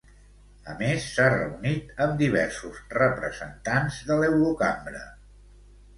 A més, s'ha reunit amb diversos representants de l'Eurocambra.